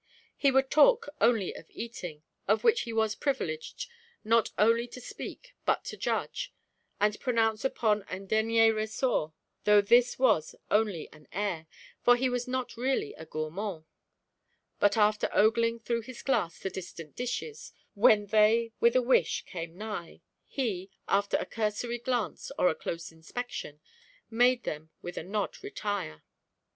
He would talk only of eating, of which he was privileged not only to speak but to judge, and pronounce upon en dernier ressort, though this was only an air, for he was not really a gourmand; but after ogling through his glass the distant dishes, when they with a wish came nigh, he, after a cursory glance or a close inspection, made them with a nod retire.